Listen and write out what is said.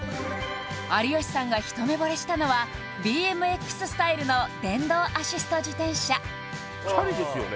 有吉さんが一目惚れしたのはＢＭＸスタイルの電動アシスト自転車チャリですよね？